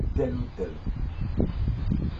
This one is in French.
Tel ou tel.